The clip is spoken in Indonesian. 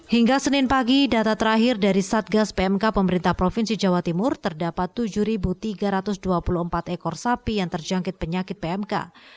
hingga senin pagi data terakhir dari satgas pmk pemerintah provinsi jawa timur terdapat tujuh tiga ratus dua puluh empat ekor sapi yang terjangkit penyakit pmk